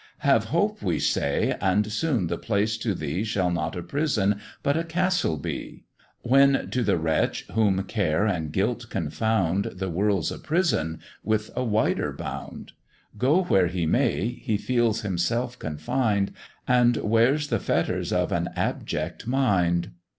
'Have hope,' we say, 'and soon the place to thee Shall not a prison but a castle be: When to the wretch whom care and guilt confound, The world's a prison, with a wider bound; Go where he may, he feels himself confined, And wears the fetters of an abject mind.'